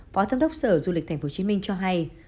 phó giám đốc sở du lịch tp hcm cho hay